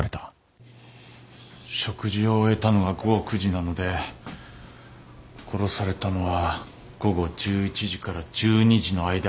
食事を終えたのが午後９時なので殺されたのは午後１１時から１２時の間。